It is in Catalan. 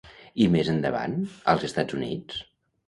I més endavant, als Estats Units?